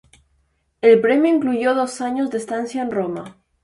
El Premio incluyó dos años de estancia en Roma.